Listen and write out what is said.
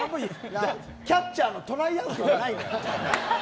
キャッチャーのトライアウトじゃないから。